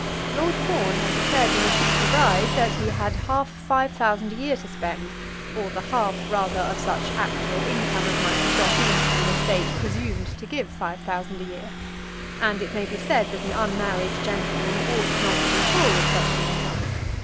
Lord Fawn had declared to his future bride that he had half five thousand a year to spend, or the half, rather, of such actual income as might be got in from an estate presumed to give five thousand a year, and it may be said that an unmarried gentleman ought not to be poor with such an income.